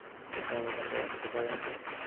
Relax - আপনি American dollar নিতে পারেন?